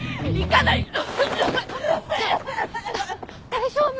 大丈夫？